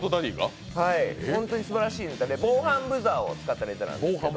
ホントにすばらしいネタで防犯ブザーを使ったネタなんですけど。